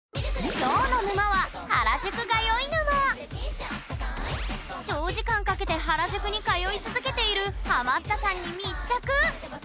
きょうの沼は長時間かけて原宿に通い続けているハマったさんに密着！